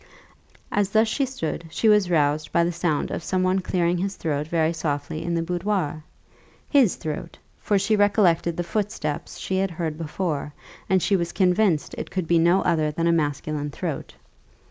As thus she stood she was roused by the sound of some one clearing his throat very softly in the boudoir his throat; for she recollected the footsteps she had heard before, and she was convinced it could be no other than a masculine throat.